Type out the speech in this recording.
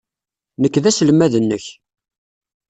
Nekk d aselmad-nnek.